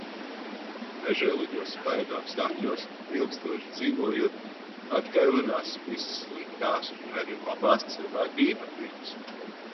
Nežēlīgo spaidu apstākļos ilgstoši dzīvojot atkailinās visas sliktās un arī labās cilvēku īpatnības.